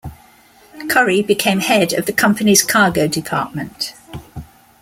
Currie became head of the company's cargo department.